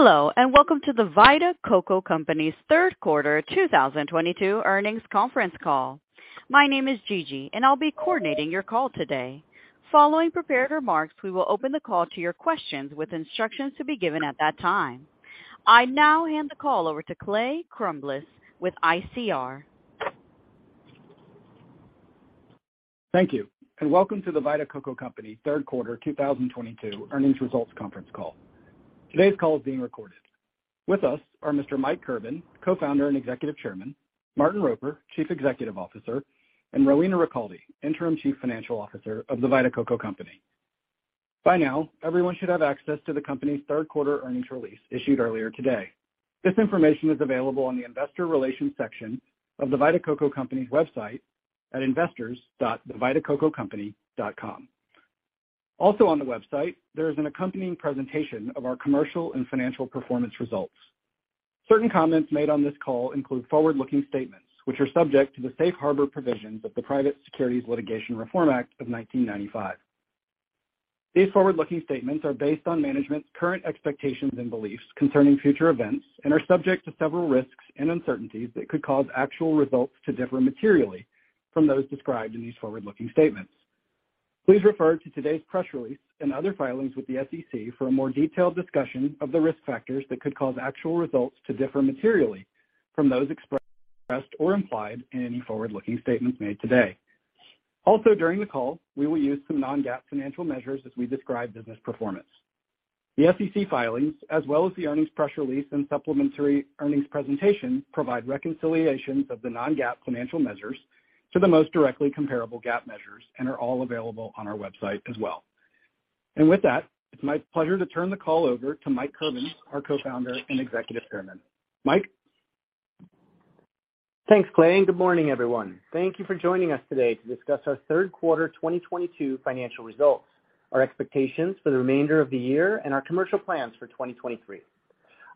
Hello, and welcome to the Vita Coco Company's third quarter 2022 earnings conference call. My name is Gigi, and I'll be coordinating your call today. Following prepared remarks, we will open the call to your questions with instructions to be given at that time. I now hand the call over to Clay Crumbliss with ICR. Thank you. Welcome to the Vita Coco Company third quarter 2022 earnings results conference call. Today's call is being recorded. With us are Mr. Mike Kirban, Co-founder and Executive Chairman, Martin Roper, Chief Executive Officer, and Rowena Ricalde, Interim Chief Financial Officer of the Vita Coco Company. By now, everyone should have access to the company's third quarter earnings release issued earlier today. This information is available on the investor relations section of the Vita Coco Company's website at investors.thevitacococompany.com. Also on the website, there is an accompanying presentation of our commercial and financial performance results. Certain comments made on this call include forward-looking statements, which are subject to the safe harbor provisions of the Private Securities Litigation Reform Act of 1995. These forward-looking statements are based on management's current expectations and beliefs concerning future events and are subject to several risks and uncertainties that could cause actual results to differ materially from those described in these forward-looking statements. Please refer to today's press release and other filings with the SEC for a more detailed discussion of the risk factors that could cause actual results to differ materially from those expressed or implied in any forward-looking statements made today. Also, during the call, we will use some non-GAAP financial measures as we describe business performance. The SEC filings as well as the earnings press release and supplementary earnings presentation provide reconciliations of the non-GAAP financial measures to the most directly comparable GAAP measures and are all available on our website as well. With that, it's my pleasure to turn the call over to Mike Kirban, our Co-founder and Executive Chairman. Mike? Thanks, Clay, and good morning, everyone. Thank you for joining us today to discuss our third quarter 2022 financial results, our expectations for the remainder of the year, and our commercial plans for 2023.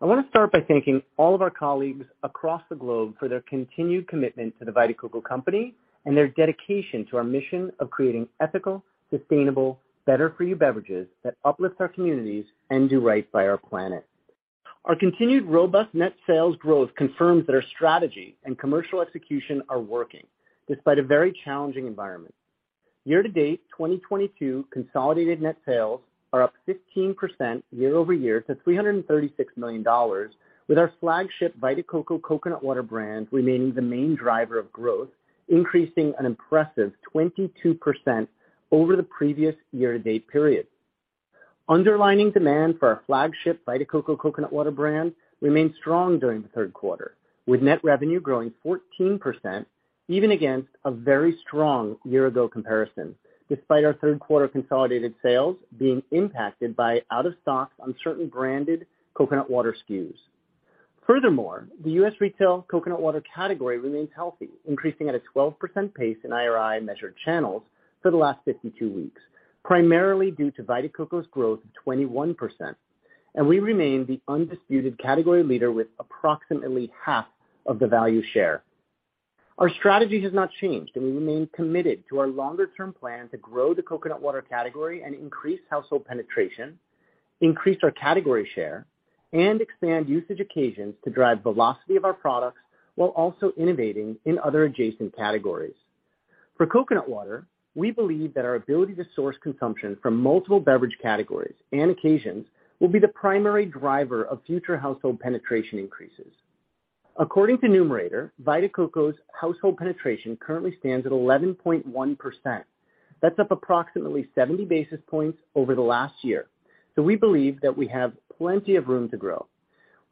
I want to start by thanking all of our colleagues across the globe for their continued commitment to the Vita Coco Company and their dedication to our mission of creating ethical, sustainable, better for you beverages that uplift our communities and do right by our planet. Our continued robust net sales growth confirms that our strategy and commercial execution are working despite a very challenging environment. Year to date, 2022 consolidated net sales are up 15% year-over-year to $336 million, with our flagship Vita Coco coconut water brand remaining the main driver of growth, increasing an impressive 22% over the previous year to date period. Underlying demand for our flagship Vita Coco coconut water brand remained strong during the third quarter, with net revenue growing 14% even against a very strong year-ago comparison, despite our third quarter consolidated sales being impacted by out-of-stock on certain branded coconut water SKUs. Furthermore, the U.S. retail coconut water category remains healthy, increasing at a 12% pace in IRI measured channels for the last 52 weeks, primarily due to Vita Coco's growth of 21%. We remain the undisputed category leader with approximately half of the value share. Our strategy has not changed, and we remain committed to our longer-term plan to grow the coconut water category and increase household penetration, increase our category share, and expand usage occasions to drive velocity of our products while also innovating in other adjacent categories. For coconut water, we believe that our ability to source consumption from multiple beverage categories and occasions will be the primary driver of future household penetration increases. According to Numerator, Vita Coco's household penetration currently stands at 11.1%. That's up approximately 70 basis points over the last year. We believe that we have plenty of room to grow.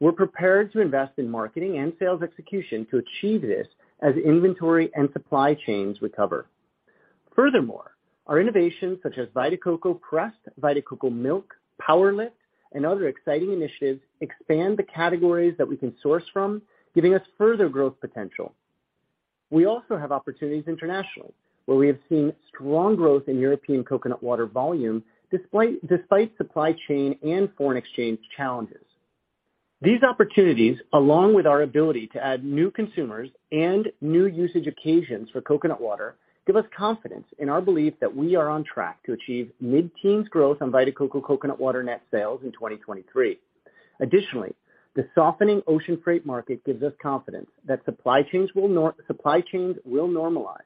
We're prepared to invest in marketing and sales execution to achieve this as inventory and supply chains recover. Furthermore, our innovations such as Vita Coco Pressed, Vita Coco Milk, PWR LIFT, and other exciting initiatives expand the categories that we can source from, giving us further growth potential. We also have opportunities internationally, where we have seen strong growth in European coconut water volume despite supply chain and foreign exchange challenges. These opportunities, along with our ability to add new consumers and new usage occasions for coconut water, give us confidence in our belief that we are on track to achieve mid-teens growth on Vita Coco coconut water net sales in 2023. Additionally, the softening ocean freight market gives us confidence that supply chains will normalize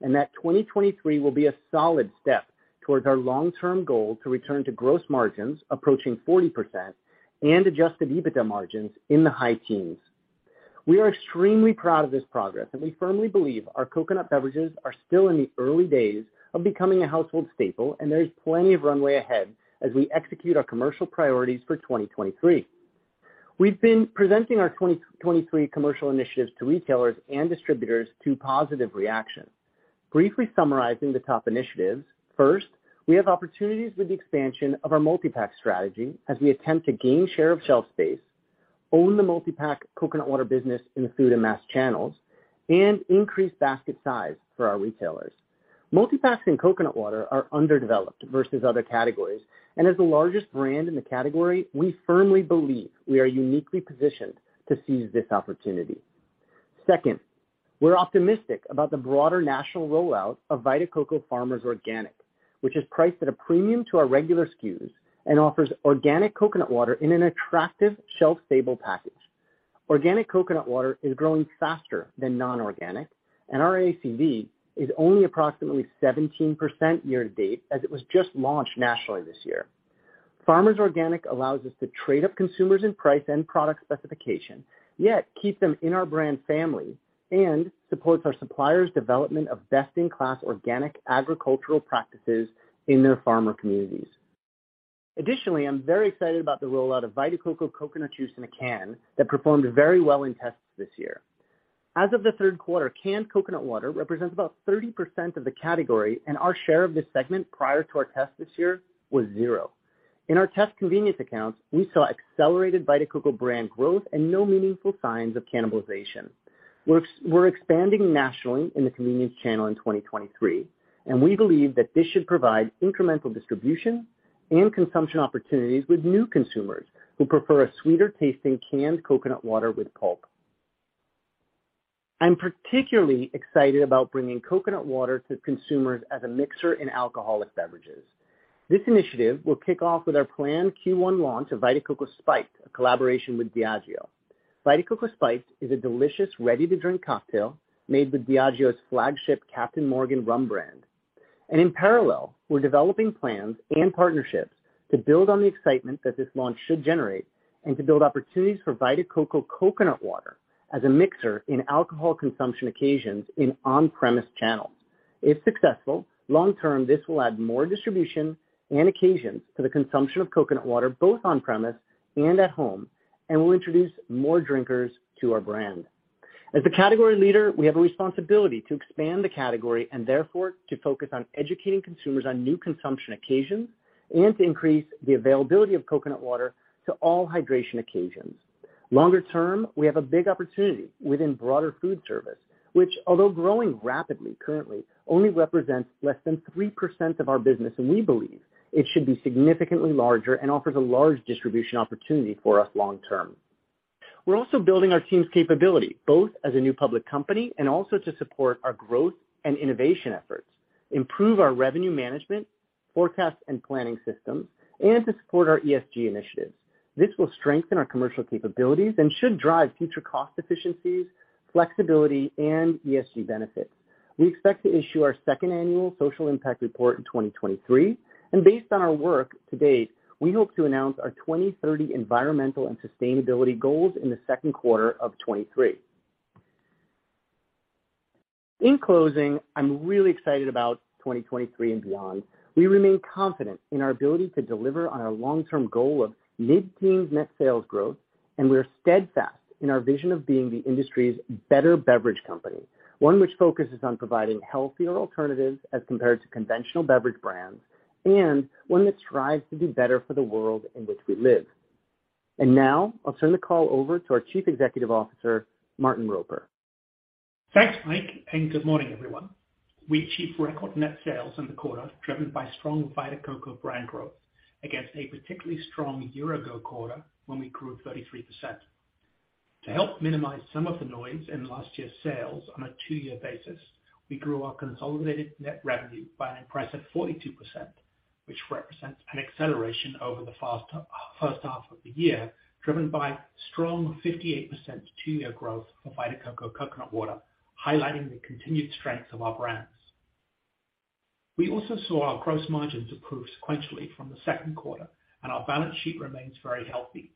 and that 2023 will be a solid step towards our long term goal to return to gross margins approaching 40% and Adjusted EBITDA margins in the high teens. We are extremely proud of this progress, and we firmly believe our coconut beverages are still in the early days of becoming a household staple, and there is plenty of runway ahead as we execute our commercial priorities for 2023. We've been presenting our 2023 commercial initiatives to retailers and distributors to positive reaction. Briefly summarizing the top initiatives. First, we have opportunities with the expansion of our multi-pack strategy as we attempt to gain share of shelf space, own the multi-pack coconut water business in the food and mass channels, and increase basket size for our retailers. Multi-packs in coconut water are underdeveloped versus other categories, and as the largest brand in the category, we firmly believe we are uniquely positioned to seize this opportunity. Second, we're optimistic about the broader national rollout of Vita Coco Farmers Organic, which is priced at a premium to our regular SKUs and offers organic coconut water in an attractive shelf-stable package. Organic coconut water is growing faster than non-organic, and our ACV is only approximately 17% year to date as it was just launched nationally this year. Farmers Organic allows us to trade up consumers in price and product specification, yet keep them in our brand family and supports our suppliers' development of best in class organic agricultural practices in their farmer communities. Additionally, I'm very excited about the rollout of Vita Coco Coconut Juice in a can that performed very well in tests this year. As of the third quarter, canned coconut water represents about 30% of the category, and our share of this segment prior to our test this year was zero. In our test convenience accounts, we saw accelerated Vita Coco brand growth and no meaningful signs of cannibalization. We're expanding nationally in the convenience channel in 2023, and we believe that this should provide incremental distribution and consumption opportunities with new consumers who prefer a sweeter tasting canned coconut water with pulp. I'm particularly excited about bringing coconut water to consumers as a mixer in alcoholic beverages. This initiative will kick off with our planned Q1 launch of Vita Coco Spiked, a collaboration with Diageo. Vita Coco Spiked is a delicious ready-to-drink cocktail made with Diageo's flagship Captain Morgan rum brand. In parallel, we're developing plans and partnerships to build on the excitement that this launch should generate and to build opportunities for Vita Coco coconut water as a mixer in alcohol consumption occasions in on-premise channels. If successful, long-term, this will add more distribution and occasions to the consumption of coconut water, both on-premise and at home, and will introduce more drinkers to our brand. As a category leader, we have a responsibility to expand the category and therefore to focus on educating consumers on new consumption occasions and to increase the availability of coconut water to all hydration occasions. Longer term, we have a big opportunity within broader food service, which although growing rapidly, currently only represents less than 3% of our business, and we believe it should be significantly larger and offers a large distribution opportunity for us long term. We're also building our team's capability both as a new public company and also to support our growth and innovation efforts, improve our revenue management forecast and planning systems, and to support our ESG initiatives. This will strengthen our commercial capabilities and should drive future cost efficiencies, flexibility, and ESG benefits. We expect to issue our second annual social impact report in 2023, and based on our work to date, we hope to announce our 2030 environmental and sustainability goals in the second quarter of 2023. In closing, I'm really excited about 2023 and beyond. We remain confident in our ability to deliver on our long-term goal of mid-teens net sales growth, and we are steadfast in our vision of being the industry's better beverage company, one which focuses on providing healthier alternatives as compared to conventional beverage brands, and one that strives to do better for the world in which we live. Now I'll turn the call over to our Chief Executive Officer, Martin Roper. Thanks, Mike, and good morning, everyone. We achieved record net sales in the quarter driven by strong Vita Coco brand growth against a particularly strong year ago quarter when we grew 33%. To help minimize some of the noise in last year's sales on a two-year basis, we grew our consolidated net revenue by an impressive 42%, which represents an acceleration over the first half of the year, driven by strong 58% two-year growth for Vita Coco coconut water, highlighting the continued strength of our brands. We also saw our gross margins improve sequentially from the second quarter, and our balance sheet remains very healthy.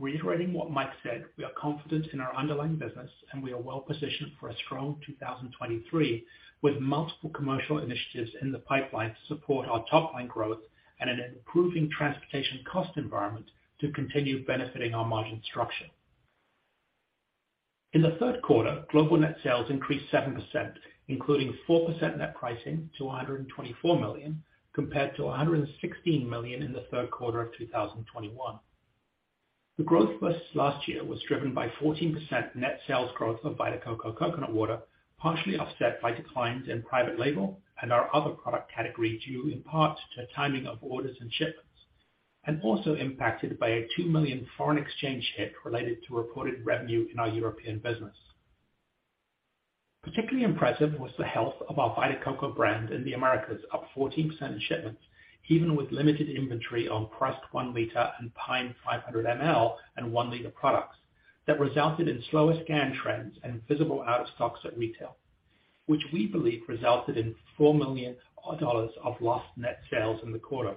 Reiterating what Mike said, we are confident in our underlying business, and we are well positioned for a strong 2023 with multiple commercial initiatives in the pipeline to support our top line growth and an improving transportation cost environment to continue benefiting our margin structure. In the third quarter, global net sales increased 7%, including 4% net pricing to $124 million, compared to $116 million in the third quarter of 2021. The growth versus last year was driven by 14% net sales growth of Vita Coco Coconut Water, partially offset by declines in private label and our other product category, due in part to timing of orders and shipments, and also impacted by a $2 million foreign exchange hit related to reported revenue in our European business. Particularly impressive was the health of our Vita Coco brand in the Americas, up 14% in shipments, even with limited inventory on crushed 1-liter and Pineapple 500 mL and 1-liter products that resulted in slower scan trends and visible out-of-stocks at retail, which we believe resulted in $4 million odd dollars of lost net sales in the quarter.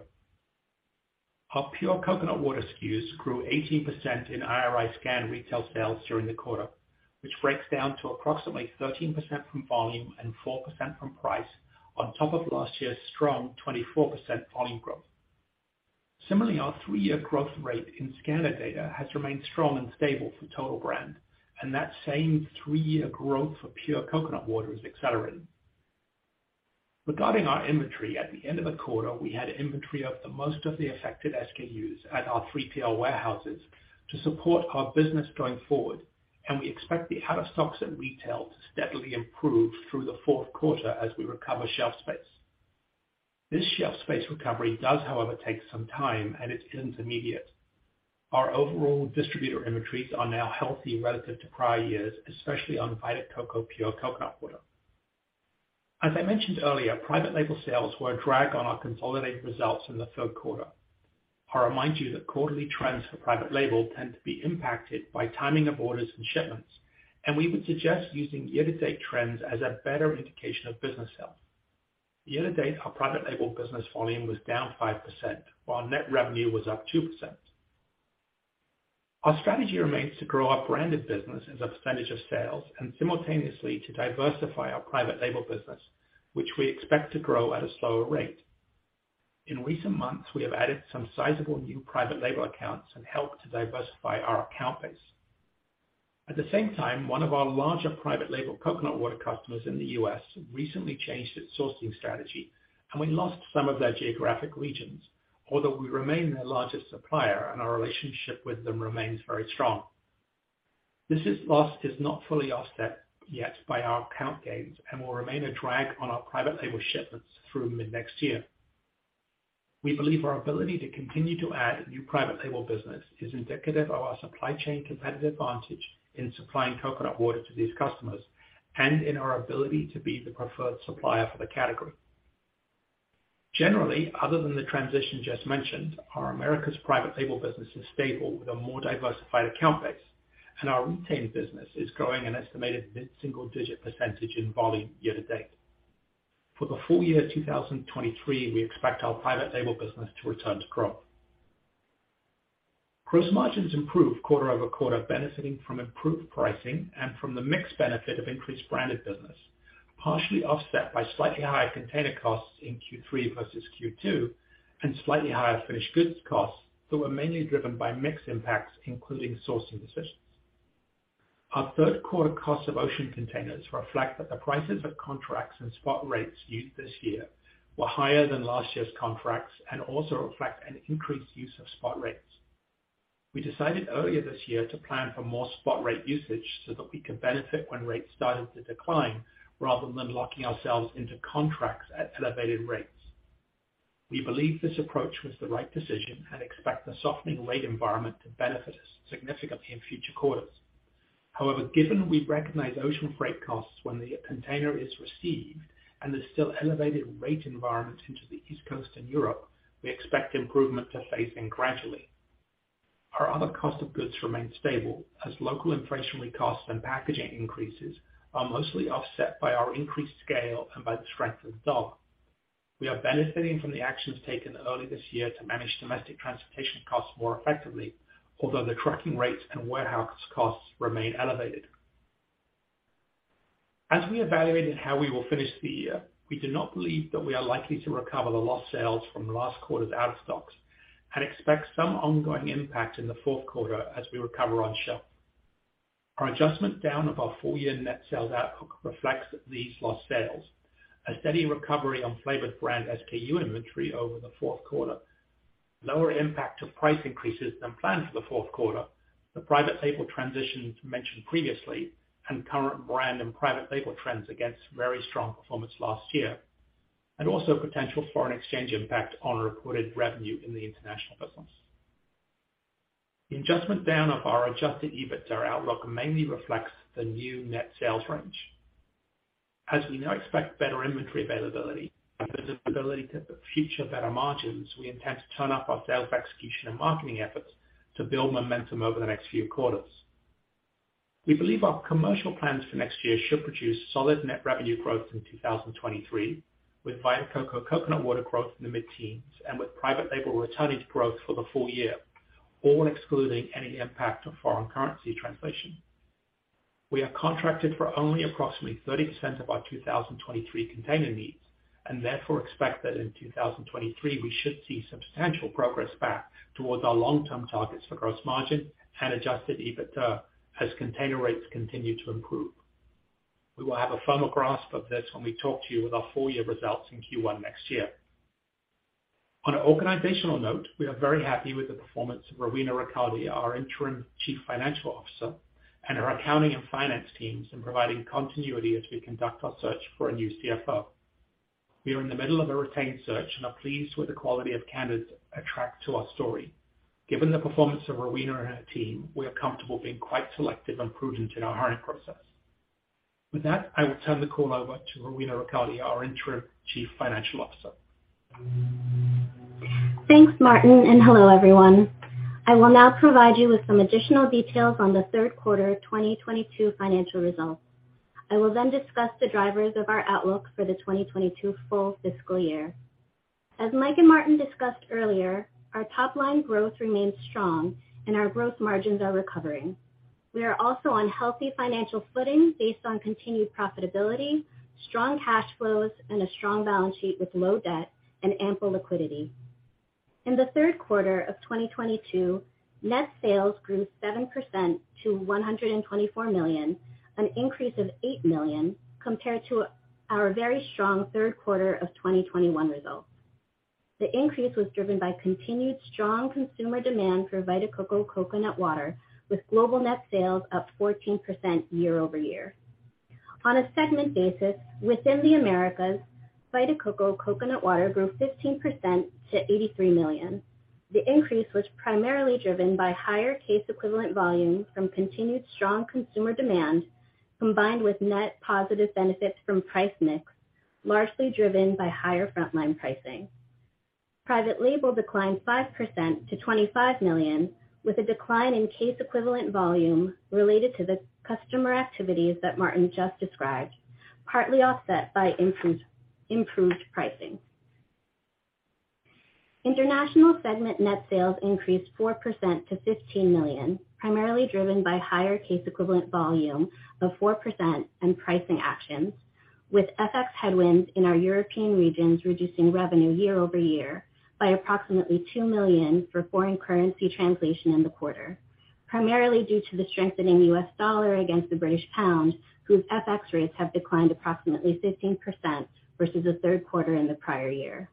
Our pure coconut water SKUs grew 18% in IRI scanned retail sales during the quarter, which breaks down to approximately 13% from volume and 4% from price on top of last year's strong 24% volume growth. Similarly, our three-year growth rate in scanner data has remained strong and stable for total brand, and that same three-year growth for pure coconut water is accelerating. Regarding our inventory at the end of the quarter, we had inventory of the most of the affected SKUs at our 3PL warehouses to support our business going forward, and we expect the out of stocks at retail to steadily improve through the fourth quarter as we recover shelf space. This shelf space recovery does, however, take some time, and it isn't immediate. Our overall distributor inventories are now healthy relative to prior years, especially on Vita Coco Pure Coconut Water. As I mentioned earlier, private label sales were a drag on our consolidated results in the third quarter. I remind you that quarterly trends for private label tend to be impacted by timing of orders and shipments, and we would suggest using year-to-date trends as a better indication of business health. Year-to-date, our private label business volume was down 5%, while net revenue was up 2%. Our strategy remains to grow our branded business as a percentage of sales and simultaneously to diversify our private label business, which we expect to grow at a slower rate. In recent months, we have added some sizable new private label accounts and helped to diversify our account base. At the same time, one of our larger private label coconut water customers in the US recently changed its sourcing strategy, and we lost some of their geographic regions. Although we remain their largest supplier and our relationship with them remains very strong. This loss is not fully offset yet by our account gains and will remain a drag on our private label shipments through mid-next year. We believe our ability to continue to add new private label business is indicative of our supply chain competitive advantage in supplying coconut water to these customers and in our ability to be the preferred supplier for the category. Generally, other than the transition just mentioned, our Americas private label business is stable with a more diversified account base, and our retained business is growing an estimated mid-single-digit % in volume year to date. For the full year 2023, we expect our private label business to return to growth. Gross margins improved quarter-over-quarter, benefiting from improved pricing and from the mix benefit of increased branded business, partially offset by slightly higher container costs in Q3 versus Q2 and slightly higher finished goods costs that were mainly driven by mix impacts, including sourcing decisions. Our third quarter cost of ocean containers reflect that the prices of contracts and spot rates used this year were higher than last year's contracts and also reflect an increased use of spot rates. We decided earlier this year to plan for more spot rate usage so that we could benefit when rates started to decline rather than locking ourselves into contracts at elevated rates. We believe this approach was the right decision and expect the softening rate environment to benefit us significantly in future quarters. However, given we recognize ocean freight costs when the container is received and there's still elevated rate environment into the East Coast and Europe, we expect improvement to phase in gradually. Our other cost of goods remains stable as local inflationary costs and packaging increases are mostly offset by our increased scale and by the strength of the dollar. We are benefiting from the actions taken early this year to manage domestic transportation costs more effectively. Although the trucking rates and warehouse costs remain elevated. As we evaluated how we will finish the year, we do not believe that we are likely to recover the lost sales from last quarter's out of stocks and expect some ongoing impact in the fourth quarter as we recover on shelf. Our adjustment down of our full year net sales outlook reflects these lost sales, a steady recovery on flavored brand SKU inventory over the fourth quarter, lower impact of price increases than planned for the fourth quarter, the private label transitions mentioned previously, and current brand and private label trends against very strong performance last year, and also potential foreign exchange impact on reported revenue in the international business. The adjustment down of our Adjusted EBITDA outlook mainly reflects the new net sales range. As we now expect better inventory availability and visibility to the future better margins, we intend to turn up our sales execution and marketing efforts to build momentum over the next few quarters. We believe our commercial plans for next year should produce solid net revenue growth in 2023, with Vita Coco Coconut Water growth in the mid-teens and with private label returning to growth for the full year, all excluding any impact of foreign currency translation. We are contracted for only approximately 30% of our 2023 container needs and therefore expect that in 2023 we should see substantial progress back towards our long-term targets for gross margin and Adjusted EBITDA as container rates continue to improve. We will have a firmer grasp of this when we talk to you with our full year results in Q1 next year. On an organizational note, we are very happy with the performance of Rowena Ricalde, our Interim Chief Financial Officer, and our accounting and finance teams in providing continuity as we conduct our search for a new CFO. We are in the middle of a retained search and are pleased with the quality of candidates attracted to our story. Given the performance of Rowena and her team, we are comfortable being quite selective and prudent in our hiring process. With that, I will turn the call over to Rowena Ricalde, our Interim Chief Financial Officer. Thanks, Martin, and hello, everyone. I will now provide you with some additional details on the third quarter 2022 financial results. I will then discuss the drivers of our outlook for the 2022 full fiscal year. As Mike and Martin discussed earlier, our top line growth remains strong and our growth margins are recovering. We are also on healthy financial footing based on continued profitability, strong cash flows, and a strong balance sheet with low debt and ample liquidity. In the third quarter of 2022, net sales grew 7% to $124 million, an increase of $8 million compared to our very strong third quarter of 2021 results. The increase was driven by continued strong consumer demand for Vita Coco Coconut Water, with global net sales up 14% year-over-year. On a segment basis within the Americas, Vita Coco Coconut Water grew 15% to $83 million. The increase was primarily driven by higher case equivalent volume from continued strong consumer demand, combined with net positive benefits from price mix, largely driven by higher frontline pricing. Private label declined 5% to $25 million, with a decline in case equivalent volume related to the customer activities that Martin just described, partly offset by improved pricing. International segment net sales increased 4% to $15 million, primarily driven by higher case equivalent volume of 4% and pricing actions, with FX headwinds in our European regions, reducing revenue year-over-year by approximately $2 million for foreign currency translation in the quarter, primarily due to the strengthening US dollar against the British pound, whose FX rates have declined approximately 15% versus the third quarter in the prior year.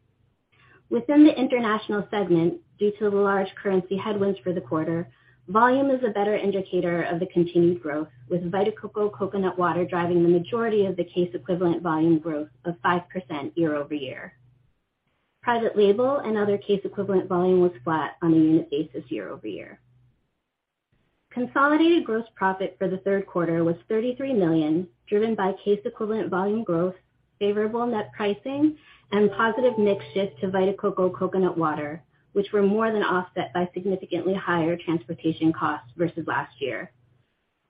Within the international segment, due to the large currency headwinds for the quarter, volume is a better indicator of the continued growth, with Vita Coco Coconut Water driving the majority of the case equivalent volume growth of 5% year-over-year. Private label and other case equivalent volume was flat on a unit basis year-over-year. Consolidated gross profit for the third quarter was $33 million, driven by case equivalent volume growth, favorable net pricing, and positive mix shift to Vita Coco Coconut Water, which were more than offset by significantly higher transportation costs versus last year.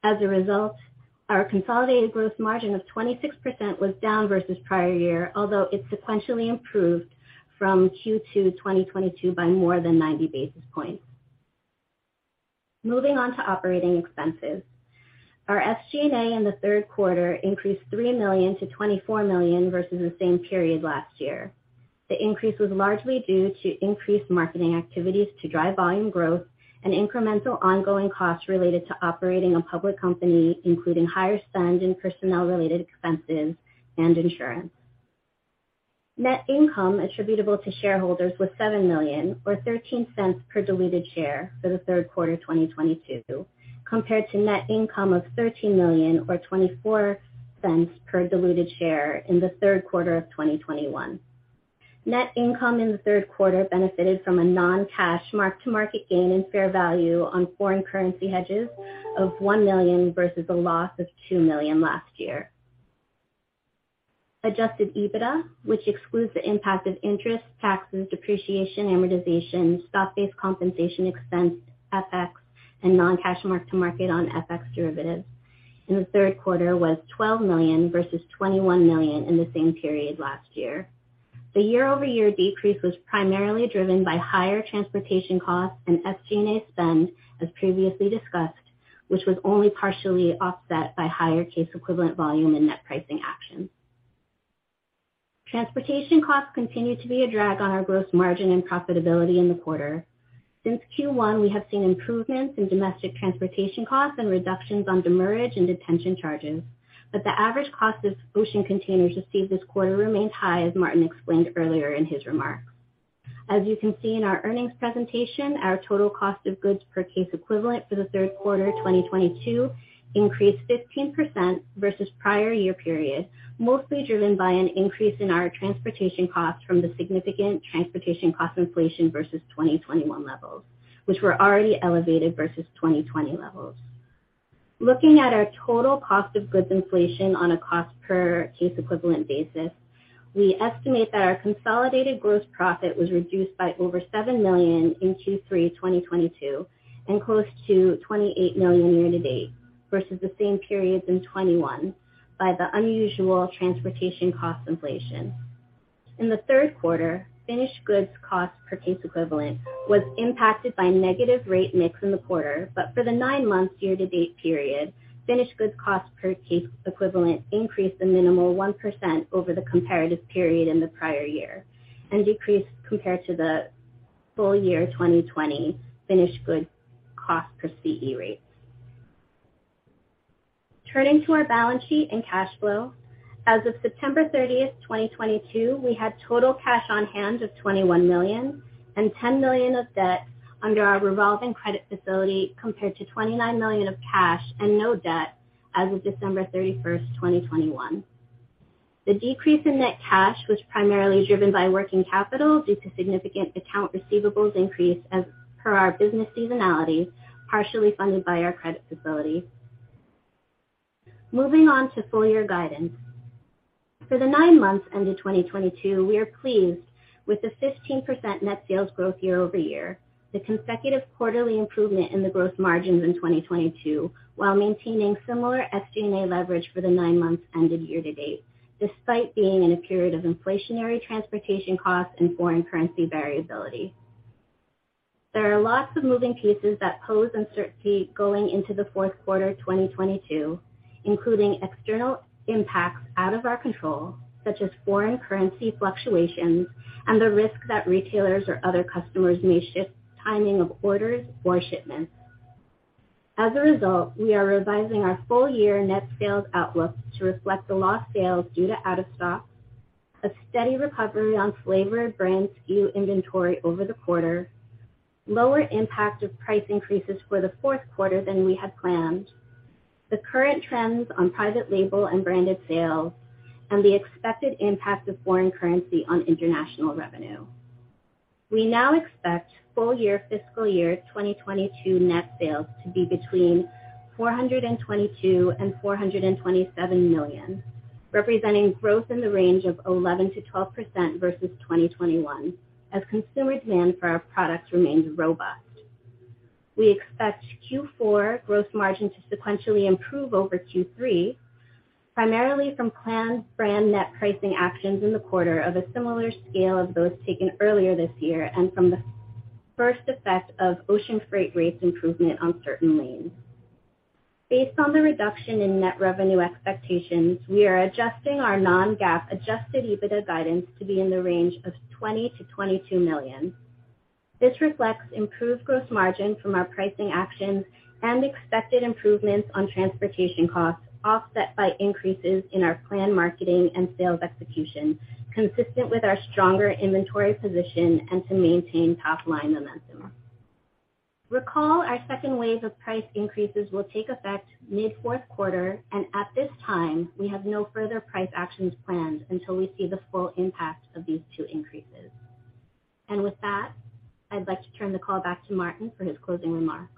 As a result, our consolidated gross margin of 26% was down versus prior year, although it sequentially improved from Q2 2022 by more than 90 basis points. Moving on to operating expenses. Our SG&A in the third quarter increased $3 million-$24 million versus the same period last year. The increase was largely due to increased marketing activities to drive volume growth and incremental ongoing costs related to operating a public company, including higher spend in personnel-related expenses and insurance. Net income attributable to shareholders was $7 million or $0.13 per diluted share for the third quarter 2022, compared to net income of $13 million or $0.24 per diluted share in the third quarter of 2021. Net income in the third quarter benefited from a non-cash mark-to-market gain in fair value on foreign currency hedges of $1 million versus a loss of $2 million last year. Adjusted EBITDA, which excludes the impact of interest, taxes, depreciation, amortization, stock-based compensation expense, FX, and non-cash mark to market on FX derivatives in the third quarter, was $12 million versus $21 million in the same period last year. The year-over-year decrease was primarily driven by higher transportation costs and SG&A spend as previously discussed, which was only partially offset by higher case equivalent volume and net pricing actions. Transportation costs continue to be a drag on our gross margin and profitability in the quarter. Since Q1, we have seen improvements in domestic transportation costs and reductions on demurrage and detention charges. The average cost of ocean containers received this quarter remains high, as Martin explained earlier in his remarks. As you can see in our earnings presentation, our total cost of goods per case equivalent for the third quarter 2022 increased 15% versus prior year period, mostly driven by an increase in our transportation costs from the significant transportation cost inflation versus 2021 levels, which were already elevated versus 2020 levels. Looking at our total cost of goods inflation on a cost per case equivalent basis, we estimate that our consolidated gross profit was reduced by over $7 million in Q3 2022 and close to $28 million year to date versus the same periods in 2021 by the unusual transportation cost inflation. In the third quarter, finished goods cost per case equivalent was impacted by negative rate mix in the quarter. For the nine months year to date period, finished goods cost per case equivalent increased a minimal 1% over the comparative period in the prior year and decreased compared to the full year 2020 finished goods cost per CE rates. Turning to our balance sheet and cash flow. As of September 30, 2022, we had total cash on hand of $21 million and $10 million of debt under our revolving credit facility compared to $29 million of cash and no debt as of December 31, 2021. The decrease in net cash was primarily driven by working capital due to significant accounts receivable increase as per our business seasonality, partially funded by our credit facility. Moving on to full year guidance. For the nine months ended 2022, we are pleased with the 15% net sales growth year over year, the consecutive quarterly improvement in the gross margins in 2022, while maintaining similar SG&A leverage for the nine months ended year to date, despite being in a period of inflationary transportation costs and foreign currency variability. There are lots of moving pieces that pose uncertainty going into the fourth quarter 2022, including external impacts out of our control, such as foreign currency fluctuations and the risk that retailers or other customers may shift timing of orders or shipments. As a result, we are revising our full year net sales outlook to reflect the lost sales due to out of stock, a steady recovery on flavored brand SKU inventory over the quarter, lower impact of price increases for the fourth quarter than we had planned, the current trends on private label and branded sales, and the expected impact of foreign currency on international revenue. We now expect full year fiscal year 2022 net sales to be between $422 million and $427 million, representing growth in the range of 11%-12% versus 2021 as consumer demand for our products remains robust. We expect Q4 gross margin to sequentially improve over Q3, primarily from planned brand net pricing actions in the quarter of a similar scale of those taken earlier this year and from the first effect of ocean freight rates improvement on certain lanes. Based on the reduction in net revenue expectations, we are adjusting our non-GAAP Adjusted EBITDA guidance to be in the range of $20 million-$22 million. This reflects improved gross margin from our pricing actions and expected improvements on transportation costs, offset by increases in our planned marketing and sales execution, consistent with our stronger inventory position and to maintain top line momentum. Recall our second wave of price increases will take effect mid fourth quarter and at this time, we have no further price actions planned until we see the full impact of these two increases. With that, I'd like to turn the call back to Martin for his closing remarks.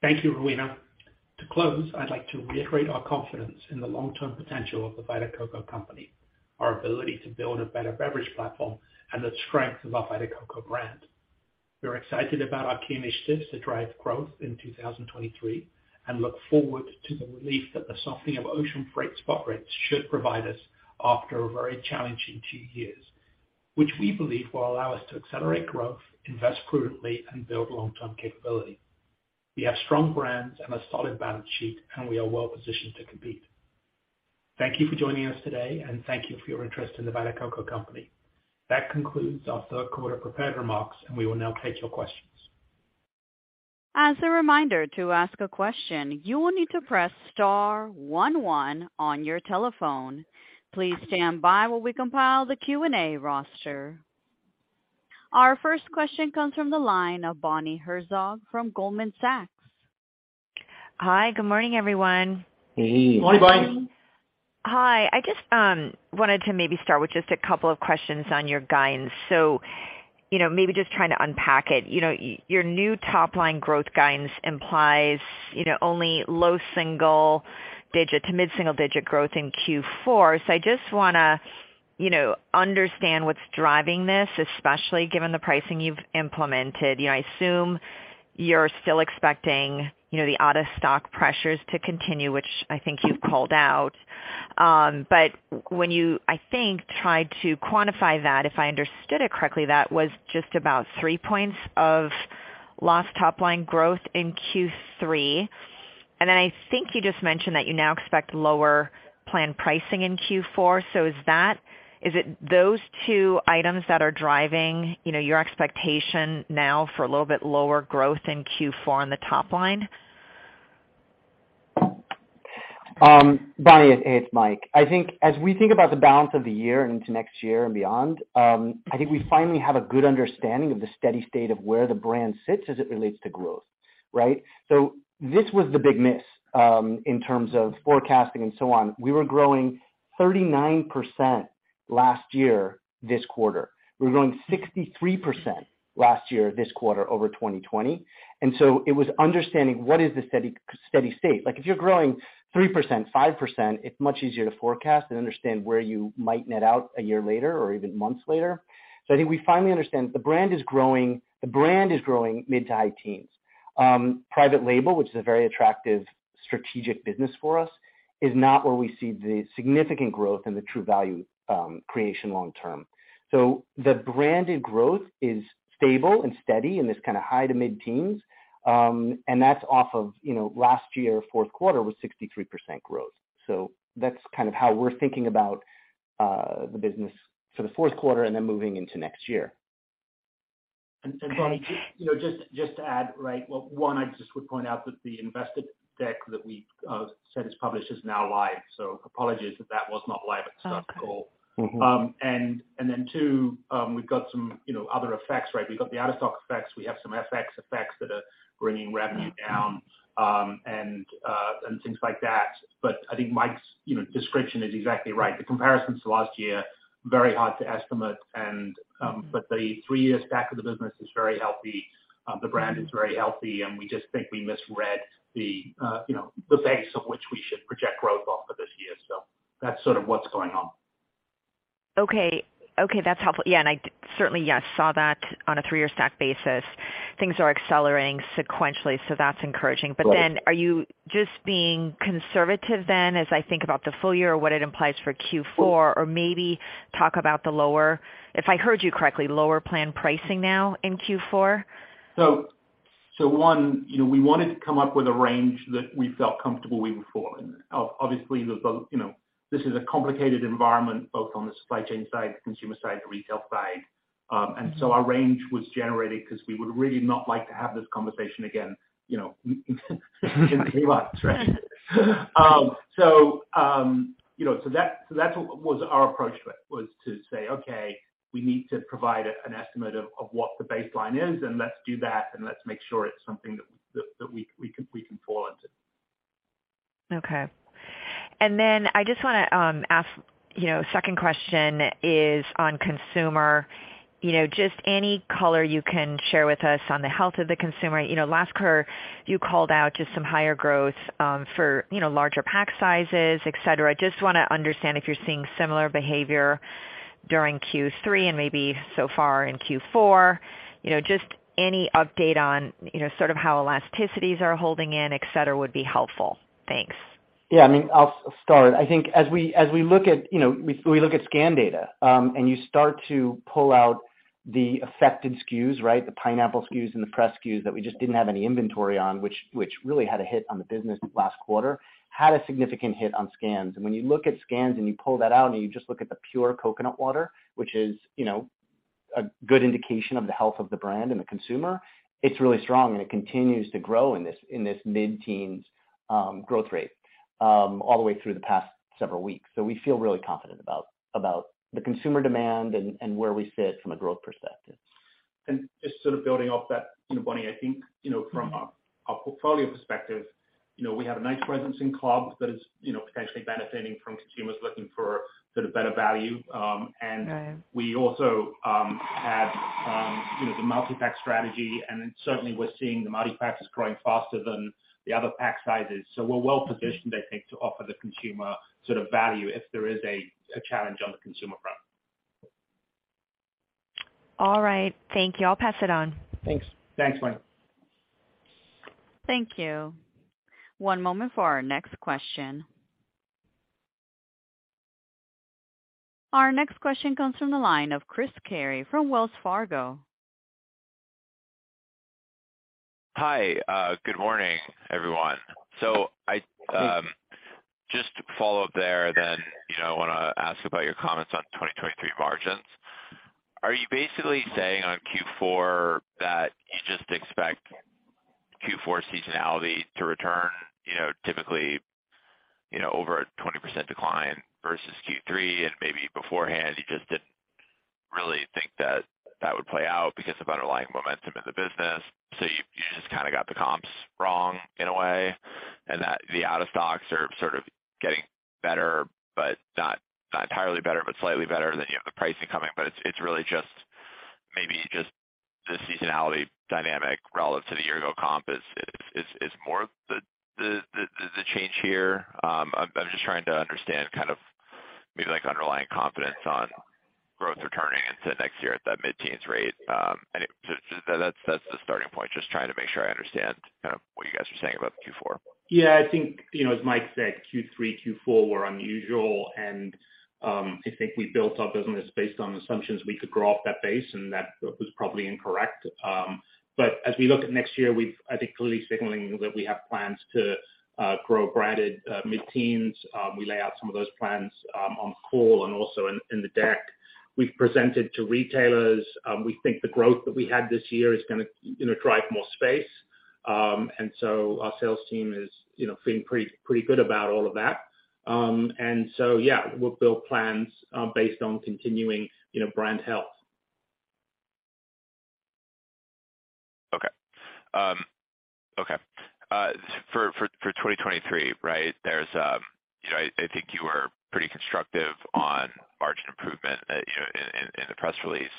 Thank you, Rowena. To close, I'd like to reiterate our confidence in the long-term potential of The Vita Coco Company, our ability to build a better beverage platform and the strength of our Vita Coco brand. We're excited about our key initiatives to drive growth in 2023 and look forward to the relief that the softening of ocean freight spot rates should provide us after a very challenging two years, which we believe will allow us to accelerate growth, invest prudently, and build long-term capability. We have strong brands and a solid balance sheet, and we are well positioned to compete. Thank you for joining us today, and thank you for your interest in The Vita Coco Company. That concludes our third quarter prepared remarks, and we will now take your questions. As a reminder to ask a question, you will need to press star one one on your telephone. Please stand by while we compile the Q&A roster. Our first question comes from the line of Bonnie Herzog from Goldman Sachs. Hi, good morning, everyone. Hey. Morning, Bonnie. Hi. I just wanted to maybe start with just a couple of questions on your guidance. You know, maybe just trying to unpack it, you know, your new top line growth guidance implies, you know, only low single digit to mid single digit growth in Q4. I just wanna, you know, understand what's driving this, especially given the pricing you've implemented. You know, I assume you're still expecting, you know, the out of stock pressures to continue, which I think you called out. When you, I think, tried to quantify that, if I understood it correctly, that was just about three points of lost top line growth in Q3. I think you just mentioned that you now expect lower planned pricing in Q4. Is it those two items that are driving, you know, your expectation now for a little bit lower growth in Q4 on the top line? Bonnie, it's Mike. I think as we think about the balance of the year and into next year and beyond, I think we finally have a good understanding of the steady state of where the brand sits as it relates to growth, right? This was the big miss in terms of forecasting and so on. We were growing 39% last year, this quarter. We were growing 63% last year, this quarter over 2020. It was understanding what is the steady state. Like if you're growing 3%, 5%, it's much easier to forecast and understand where you might net out a year later or even months later. I think we finally understand the brand is growing mid- to high teens. Private label, which is a very attractive strategic business for us, is not where we see the significant growth in the true value, creation long term. The branded growth is stable and steady in this kinda high to mid teens. That's off of, you know, last year, fourth quarter was 63% growth. That's kind of how we're thinking about, the business for the fourth quarter and then moving into next year. Bonnie, you know, just to add, right? Well, one, I just would point out that the investor deck that we said is published is now live. So apologies that that was not live at the start of the call. Okay. Too, we've got some, you know, other effects, right? We've got the out of stock effects. We have some FX effects that are bringing revenue down, and things like that. I think Mike's, you know, description is exactly right. The comparisons to last year very hard to estimate, but the three years back of the business is very healthy. The brand is very healthy, and we just think we misread the, you know, the base of which we should project growth off of this year. That's sort of what's going on. Okay. That's helpful. Yeah, I certainly, yes, saw that on a three-year stack basis. Things are accelerating sequentially, so that's encouraging. Right. Are you just being conservative then, as I think about the full year or what it implies for Q4? Or maybe talk about if I heard you correctly, lower planned pricing now in Q4. One, you know, we wanted to come up with a range that we felt comfortable we would fall in. Obviously, you know, this is a complicated environment, both on the supply chain side, consumer side, the retail side. Our range was generated 'cause we would really not like to have this conversation again, you know, in three months, right? You know, that's our approach was to say, "Okay, we need to provide an estimate of what the baseline is and let's do that and let's make sure it's something that we can fall into. Okay. I just wanna ask, you know, second question is on consumer. You know, just any color you can share with us on the health of the consumer. You know, last quarter you called out just some higher growth for, you know, larger pack sizes, etc. I just wanna understand if you're seeing similar behavior during Q3 and maybe so far in Q4. You know, just any update on, you know, sort of how elasticities are holding in, etx, would be helpful. Thanks. Yeah, I mean, I'll start. I think as we look at, you know, we look at scan data, and you start to pull out the affected SKUs, right? The Pineapple SKUs and the Pressed SKUs that we just didn't have any inventory on, which really had a hit on the business last quarter, had a significant hit on scans. When you look at scans and you pull that out and you just look at the pure coconut water, which is, you know, a good indication of the health of the brand and the consumer, it's really strong, and it continues to grow in this mid-teens growth rate all the way through the past several weeks. We feel really confident about the consumer demand and where we sit from a growth perspective. Just sort of building off that, you know, Bonnie, I think, you know, from a portfolio perspective, you know, we have a nice presence in clubs that is, you know, potentially benefiting from consumers looking for sort of better value. Right. We also have you know the multi-pack strategy, and then certainly we're seeing the multi-packs growing faster than the other pack sizes. We're well positioned, I think, to offer the consumer sort of value if there is a challenge on the consumer front. All right. Thank you. I'll pass it on. Thanks. Thanks, Bonnie. Thank you. One moment for our next question. Our next question comes from the line of Chris Carey from Wells Fargo. Hi. Good morning, everyone. I just to follow up there then, you know, I wanna ask about your comments on 2023 margins. Are you basically saying on Q4 that you just expect Q4 seasonality to return, you know, typically, you know, over a 20% decline versus Q3, and maybe beforehand you just didn't really think that that would play out because of underlying momentum in the business? You just kind of got the comps wrong in a way, and that the out of stocks are sort of getting better, but not entirely better, but slightly better than you have the pricing coming. It's really just maybe just the seasonality dynamic relative to the year ago comp is more the change here. I'm just trying to understand kind of maybe like underlying confidence on growth returning into next year at that mid-teens rate. That's the starting point. Just trying to make sure I understand kind of what you guys are saying about the Q4. Yeah, I think, you know, as Mike said, Q3, Q4 were unusual and, I think we built our business based on assumptions we could grow off that base, and that was probably incorrect. But as we look at next year, we've, I think, clearly signaling that we have plans to grow branded mid-teens. We lay out some of those plans on call and also in the deck we've presented to retailers. We think the growth that we had this year is gonna, you know, drive more space. And so our sales team is, you know, feeling pretty good about all of that. And so, yeah, we'll build plans based on continuing, you know, brand health. Okay. For 2023, right? There's you know, I think you were pretty constructive on margin improvement, you know, in the press release,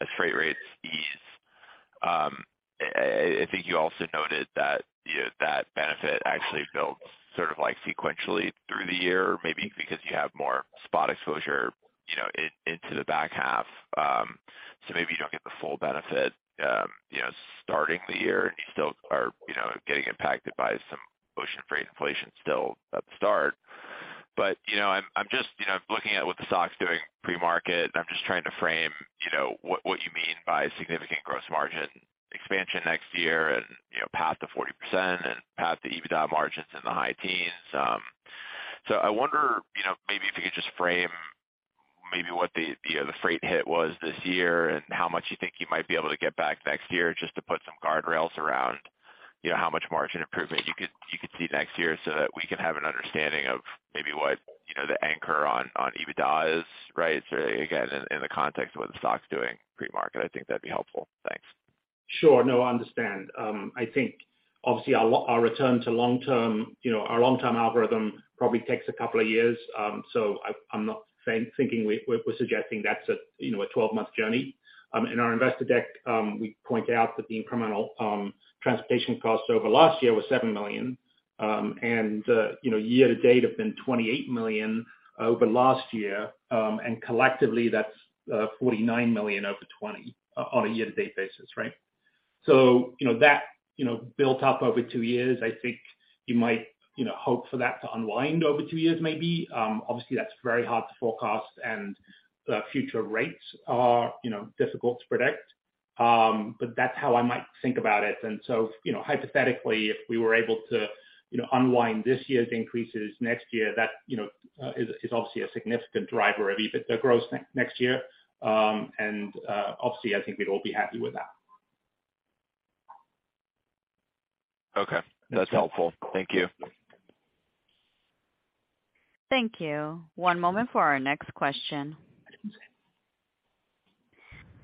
as freight rates ease. I think you also noted that, you know, that benefit actually builds sort of like sequentially through the year, maybe because you have more spot exposure, you know, into the back half. So maybe you don't get the full benefit, you know, starting the year and you still are, you know, getting impacted by some ocean freight inflation still at the start. I'm just, you know, looking at what the stock's doing pre-market and I'm just trying to frame, you know, what you mean by significant gross margin expansion next year and, you know, path to 40% and path to EBITDA margins in the high teens. I wonder, you know, maybe if you could just frame maybe what the freight hit was this year and how much you think you might be able to get back next year, just to put some guardrails around, you know, how much margin improvement you could see next year so that we can have an understanding of maybe what, you know, the anchor on EBITDA is, right? Again, in the context of what the stock's doing pre-market, I think that'd be helpful. Thanks. Sure. No, I understand. I think obviously our return to long-term, you know, our long-term algorithm probably takes a couple of years. So I'm not thinking we're suggesting that's a 12-month journey. In our investor deck, we point out that the incremental transportation costs over last year were $7 million, and, you know, year to date have been $28 million over last year. And collectively, that's $49 million over 2023 on a year to date basis, right? So, you know, that, you know, built up over two years, I think you might, you know, hope for that to unwind over two years maybe. Obviously, that's very hard to forecast, and future rates are, you know, difficult to predict. But that's how I might think about it. You know, hypothetically, if we were able to, you know, unwind this year's increases next year, that, you know, is obviously a significant driver of EBITDA growth next year. Obviously, I think we'd all be happy with that. Okay. That's helpful. Thank you. Thank you. One moment for our next question.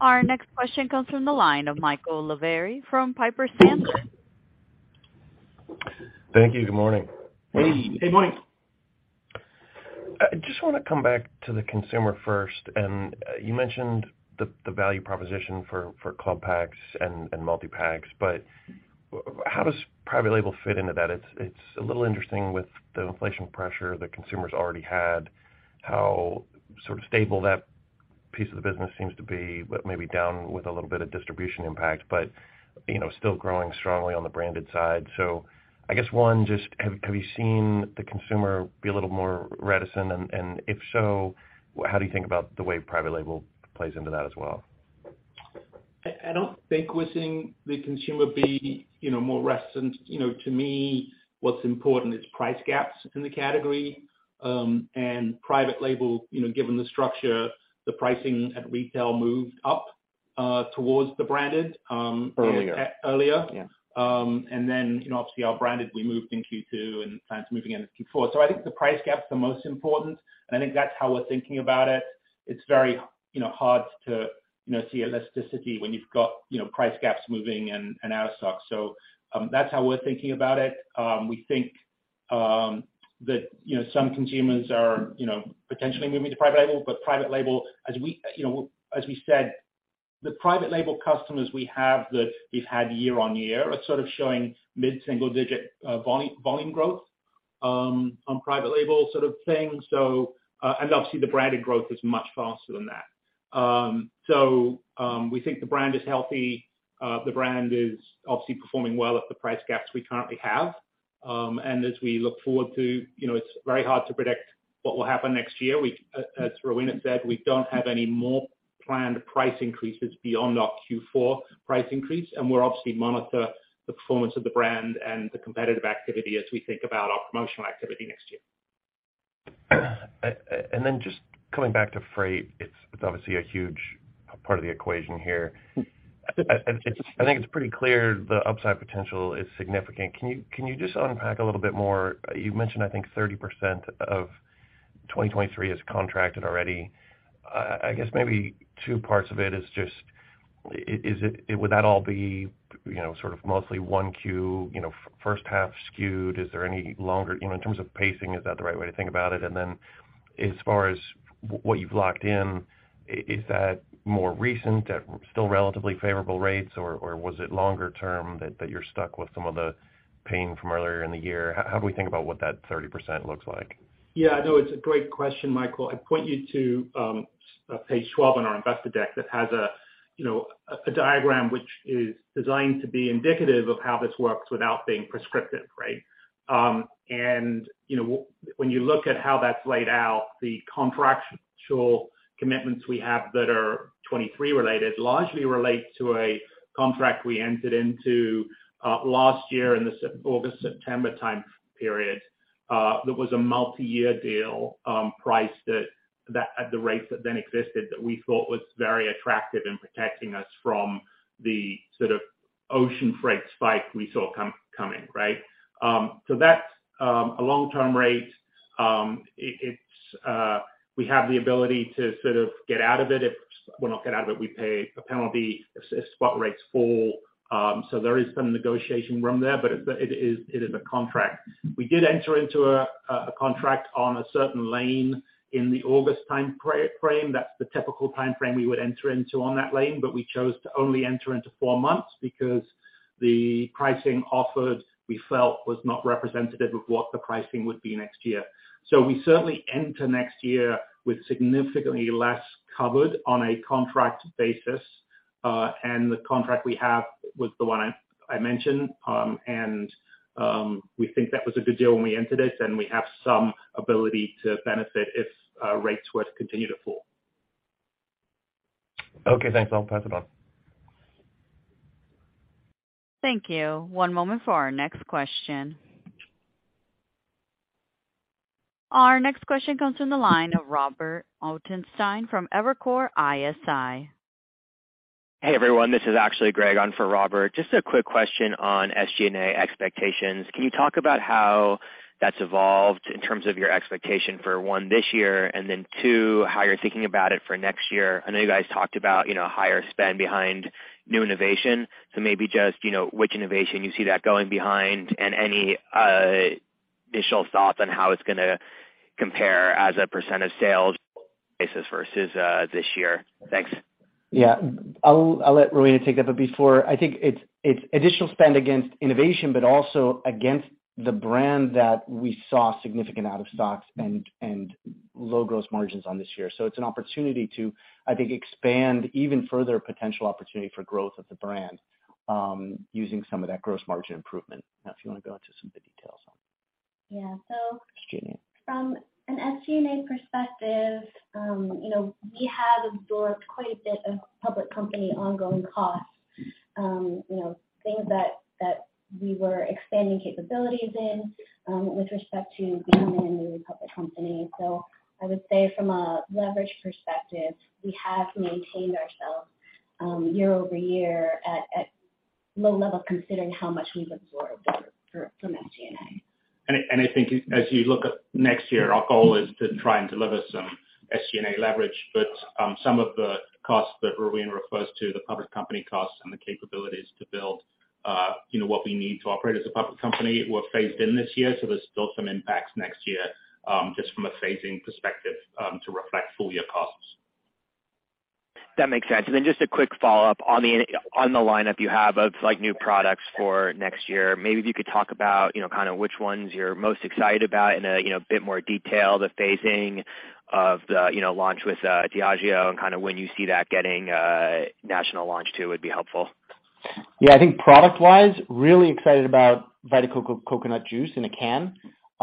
Our next question comes from the line of Michael Lavery from Piper Sandler. Thank you. Good morning. Hey. Good morning. I just wanna come back to the consumer first. You mentioned the value proposition for club packs and multi-packs, but how does private label fit into that? It's a little interesting with the inflation pressure that consumers already had, how sort of stable that piece of the business seems to be, but maybe down with a little bit of distribution impact, but you know, still growing strongly on the branded side. I guess one, just have you seen the consumer be a little more reticent? If so, how do you think about the way private label plays into that as well? I don't think we're seeing the consumer being, you know, more reticent. You know, to me, what's important is price gaps in the category. Private label, you know, given the structure, the pricing at retail moved up towards the branded. Earlier. Earlier. Yeah. you know, obviously our branded, we moved in Q2 and plan to move again in Q4. I think the price gap is the most important, and I think that's how we're thinking about it. It's very, you know, hard to, you know, see elasticity when you've got, you know, price gaps moving and out of stock. That's how we're thinking about it. We think that, you know, some consumers are, you know, potentially moving to private label, but private label, as we you know, as we said, the private label customers we have that we've had year-on-year are sort of showing mid-single digit volume growth on private label sort of thing. Obviously the branded growth is much faster than that. We think the brand is healthy. The brand is obviously performing well at the price gaps we currently have. As we look forward to, you know, it's very hard to predict what will happen next year. As Rowena said, we don't have any more planned price increases beyond our Q4 price increase, and we'll obviously monitor the performance of the brand and the competitive activity as we think about our promotional activity next year. Then just coming back to freight, it's obviously a huge part of the equation here. I think it's pretty clear the upside potential is significant. Can you just unpack a little bit more? You mentioned I think 30% of 2023 is contracted already. I guess maybe two parts of it is just, is it would that all be, you know, sort of mostly one Q, you know, first half skewed? Is there any longer you know, in terms of pacing, is that the right way to think about it? Then as far as what you've locked in, is that more recent at still relatively favorable rates, or was it longer term that you're stuck with some of the pain from earlier in the year? How do we think about what that 30% looks like? Yeah. No, it's a great question, Michael. I'd point you to page 12 in our investor deck that has a, you know, a diagram which is designed to be indicative of how this works without being prescriptive, right? When you look at how that's laid out, the contractual commitments we have that are 2023 related largely relate to a contract we entered into last year in the August, September time period that was a multi-year deal priced at the rates that then existed, that we thought was very attractive in protecting us from the sort of ocean freight spike we saw coming, right? That's a long-term rate. It's we have the ability to sort of get out of it if. Well, not get out of it, we pay a penalty if spot rates fall. There is some negotiation room there, but it is a contract. We did enter into a contract on a certain lane in the August timeframe. That's the typical timeframe we would enter into on that lane, but we chose to only enter into four months because the pricing offered, we felt, was not representative of what the pricing would be next year. We certainly enter next year with significantly less covered on a contract basis. The contract we have was the one I mentioned. We think that was a good deal when we entered it, and we have some ability to benefit if rates were to continue to fall. Okay, thanks. I'll pass it on. Thank you. One moment for our next question. Our next question comes from the line of Robert Ottenstein from Evercore ISI. Hey, everyone. This is actually Greg on for Robert. Just a quick question on SG&A expectations. Can you talk about how that's evolved in terms of your expectation for, one, this year, and then two, how you're thinking about it for next year? I know you guys talked about, you know, higher spend behind new innovation. So maybe just, you know, which innovation you see that going behind and any initial thoughts on how it's gonna compare as a percent of sales basis versus this year. Thanks. Yeah. I'll let Rowena take that. Before, I think it's additional spend against innovation, but also against the brand that we saw significant out of stocks and low gross margins on this year. It's an opportunity to, I think, expand even further potential opportunity for growth of the brand, using some of that gross margin improvement. Now, if you wanna go into some of the details on that. Yeah. Excuse me. From an SG&A perspective, you know, we have absorbed quite a bit of public company ongoing costs. You know, things that we were expanding capabilities in, with respect to being a new public company. I would say from a leverage perspective, we have maintained ourselves year-over-year. Low level considering how much we've absorbed from SG&A. I think as you look at next year, our goal is to try and deliver some SG&A leverage. Some of the costs that Rowena Ricalde refers to, the public company costs and the capabilities to build what we need to operate as a public company were phased in this year. There's still some impacts next year just from a phasing perspective to reflect full year costs. That makes sense. Just a quick follow-up on the lineup you have of like new products for next year. Maybe if you could talk about, you know, kind of which ones you're most excited about in a, you know, bit more detail, the phasing of the, you know, launch with Diageo and kind of when you see that getting a national launch too, would be helpful. Yeah. I think product wise, really excited about Vita Coco Coconut Juice in a can.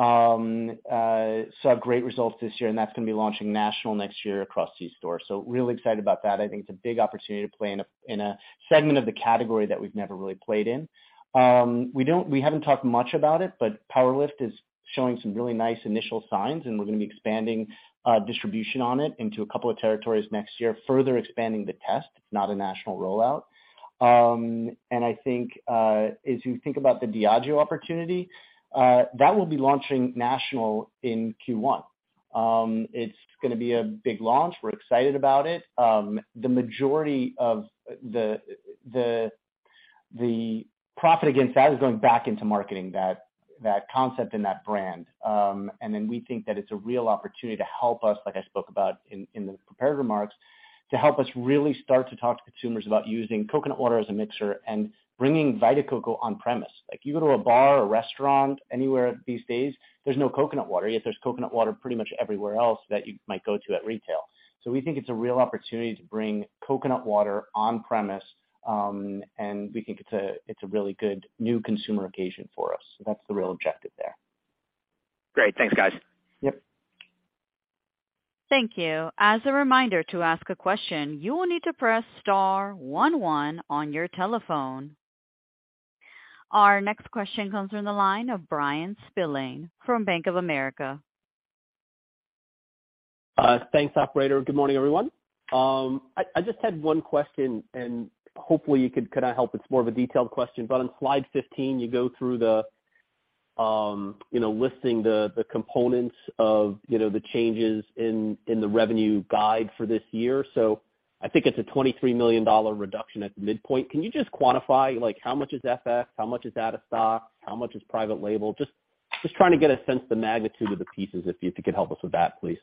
Saw great results this year, and that's gonna be launching national next year across c-store. Really excited about that. I think it's a big opportunity to play in a segment of the category that we've never really played in. We haven't talked much about it, but PWR LIFT is showing some really nice initial signs, and we're gonna be expanding distribution on it into a couple of territories next year. Further expanding the test, it's not a national rollout. I think, as you think about the Diageo opportunity, that will be launching national in Q1. It's gonna be a big launch. We're excited about it. The majority of the profit against that is going back into marketing that concept and that brand. Then we think that it's a real opportunity to help us, like I spoke about in the prepared remarks, to help us really start to talk to consumers about using coconut water as a mixer and bringing Vita Coco on premise. Like, you go to a bar or restaurant anywhere these days, there's no coconut water, yet there's coconut water pretty much everywhere else that you might go to at retail. We think it's a real opportunity to bring coconut water on premise, and we think it's a really good new consumer occasion for us. That's the real objective there. Great. Thanks, guys. Yep. Thank you. As a reminder to ask a question, you will need to press star one one on your telephone. Our next question comes from the line of Bryan Spillane from Bank of America. Thanks, operator. Good morning, everyone. I just had one question, and hopefully you could help. It's more of a detailed question, but on slide 15, you go through, you know, listing the components of, you know, the changes in the revenue guidance for this year. I think it's a $23 million reduction at the midpoint. Can you just quantify, like, how much is FX, how much is out of stock, how much is private label? Just trying to get a sense of the magnitude of the pieces, if you could help us with that, please.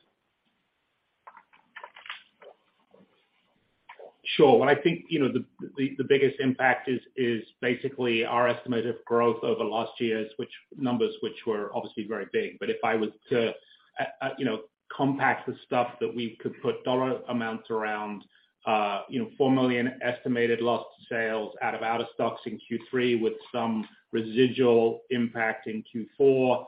Sure. What I think, you know, the biggest impact is basically our estimated growth over last year's, which were obviously very big. If I was to, you know, compact the stuff that we could put dollar amounts around, you know, $4 million estimated lost sales out of stocks in Q3 with some residual impact in Q4,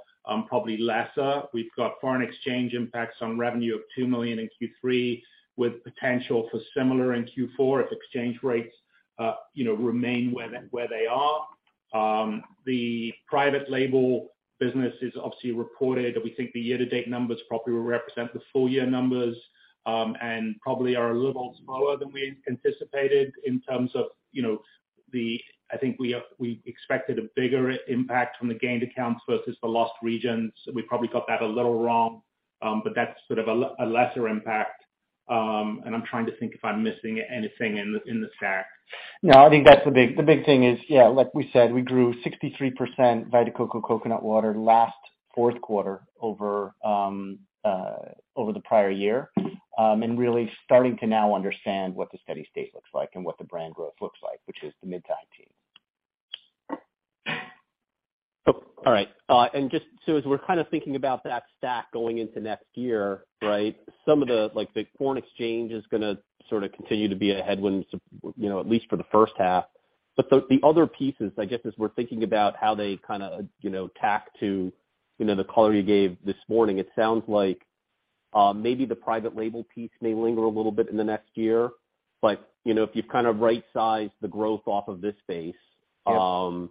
probably lesser. We've got foreign exchange impacts on revenue of $2 million in Q3 with potential for similar in Q4 if exchange rates, you know, remain where they are. The private label business is obviously reported, and we think the year to date numbers probably will represent the full year numbers, and probably are a little smaller than we anticipated in terms of, you know, the. I think we expected a bigger impact from the gained accounts versus the lost regions. We probably got that a little wrong, but that's sort of a lesser impact. I'm trying to think if I'm missing anything in the stack. No, I think that's the big thing is, yeah, like we said, we grew 63% Vita Coco Coconut Water last fourth quarter over the prior year. Really starting to now understand what the steady state looks like and what the brand growth looks like, which is the mid-teens. Just so as we're kind of thinking about that stack going into next year, right? Some of the, like, the foreign exchange is gonna sort of continue to be a headwind, you know, at least for the first half. The other pieces, I guess, as we're thinking about how they kind of, you know, stack to, you know, the color you gave this morning, it sounds like, maybe the private label piece may linger a little bit in the next year. You know, if you've kind of right-sized the growth off of this base- Yep.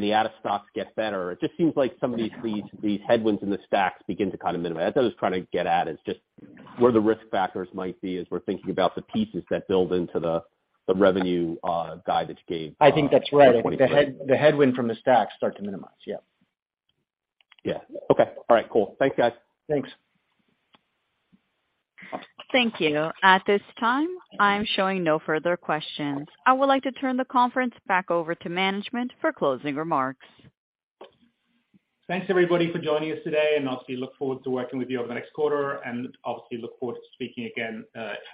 The out-of-stocks get better, it just seems like some of these headwinds in the stocks begin to kind of minimize. That's what I was trying to get at, is just where the risk factors might be as we're thinking about the pieces that build into the revenue guidance that you gave for 2023. I think that's right. The headwind from the FX start to minimize. Yeah. Yeah. Okay. All right. Cool. Thanks, guys. Thanks. Thank you. At this time, I'm showing no further questions. I would like to turn the conference back over to management for closing remarks. Thanks, everybody, for joining us today, and obviously look forward to working with you over the next quarter and obviously look forward to speaking again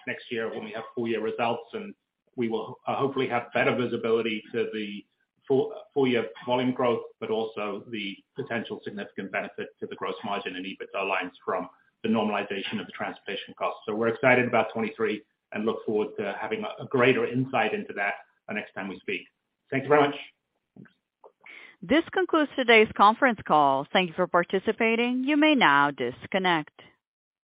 next year when we have full year results and we will hopefully have better visibility to the full year volume growth, but also the potential significant benefit to the gross margin and EBITDA lines from the normalization of the transportation costs. We're excited about 2023 and look forward to having a greater insight into that the next time we speak. Thanks very much. This concludes today's conference call. Thank you for participating. You may now disconnect.